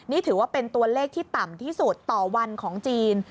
นี่ถือว่าเป็นตัวเลขที่ต่ำที่สุดต่อวันของจีน